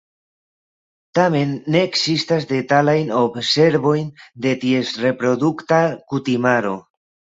Tamen ne ekzistas detalajn observojn de ties reprodukta kutimaro.